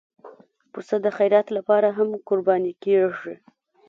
پسه د خیرات لپاره هم قرباني کېږي.